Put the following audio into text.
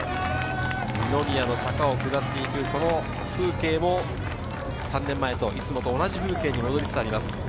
二宮の坂を下っていく、この風景も３年前と、いつもと同じ風景に戻りつつあります。